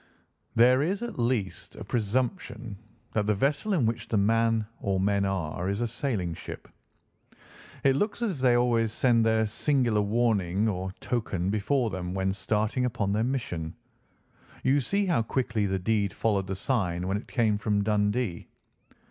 "There is at least a presumption that the vessel in which the man or men are is a sailing ship. It looks as if they always send their singular warning or token before them when starting upon their mission. You see how quickly the deed followed the sign when it came from Dundee.